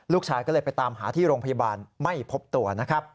ลูกชายก็เลยไปตามหาที่โรงพยาบาลไม่พบตัวนะครับ